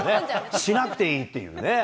しなくていいっていうね。